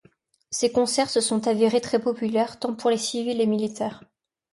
Ces concerts se sont avérés très populaire tant pour les civils et militaires.